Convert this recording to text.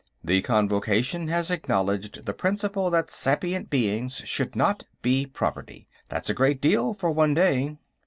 "The Convocation has acknowledged the principle that sapient beings should not be property. That's a great deal, for one day."